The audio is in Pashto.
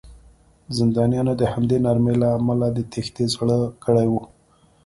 زندانیانو د همدې نرمۍ له امله د تېښتې زړه کړی و